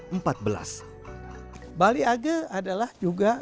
bali age adalah juga desa yang berada di bawah desa